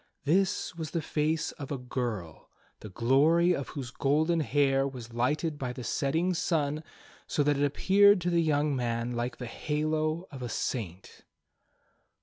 This was the face of a girl, the glory of whose golden hair was lighted by the setting sun, so that it appeared to the young man like the halo of a saint.